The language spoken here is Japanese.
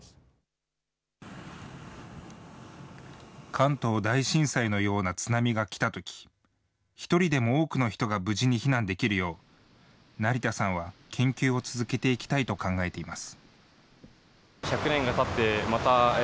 関東大震災のような津波が来たとき、１人でも多くの人が無事に避難できるよう、成田さんは研究を続けていきたいと考えています。